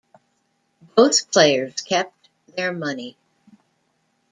Both players kept their money.